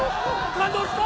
感動した！